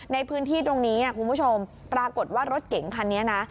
ในพื้นที่ตรงนี้คุณผู้ชมปรากฏว่ารถเก๋งคันนี้นะ